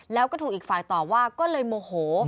แล้วก็ถูกอีกฝ่ายต่อว่าก็เลยโมโห